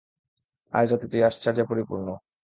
আজ রাত তুই আশ্চার্যে পরিপূর্ণ।